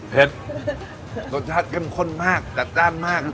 เผ็ดไหมเผ็ดรสชาติเก่มข้นมากกระจานมาก